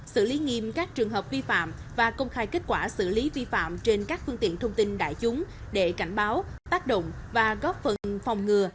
xử lý nghiêm các trường hợp vi phạm và công khai kết quả xử lý vi phạm trên các phương tiện thông tin đại chúng để cảnh báo tác động và góp phần phòng ngừa